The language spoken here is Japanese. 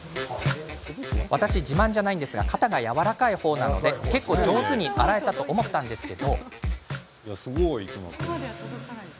私、自慢じゃないですが肩がやわらかい方なので結構、上手に洗えたと思ったのですが。